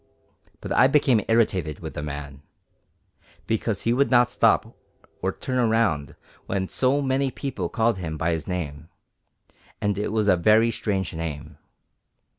But I became irritated with the man because he would not stop or turn round when so many people called him by his name, and it was a very strange name.